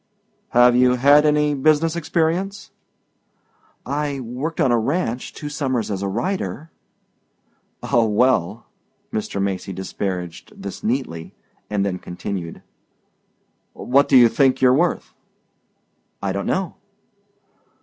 "Have you had any business experience?" "I worked on a ranch two summers as a rider." "Oh, well," Mr. Macy disparaged this neatly, and then continued: "What do you think you're worth?" "I don't know."